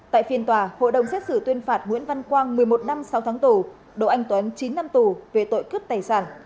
tại phiên tòa hội đồng xét xử tuyên phạt nguyễn văn quang một mươi một năm sáu tháng tù đỗ anh tuấn chín năm tù về tội cướp tài sản